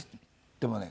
でもね